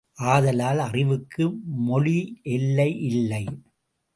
ஆதலால், அறிவுக்கு மொழியெல்லையில்லை.